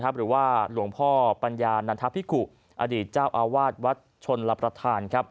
หรือว่าหลวงพ่อปัญญานันทพิกุอดีตเจ้าอาวาสวัดชนรับประทาน